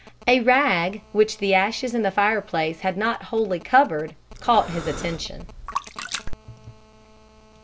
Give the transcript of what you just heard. A rag which the ashes in the fireplace had not wholly covered caught his attention.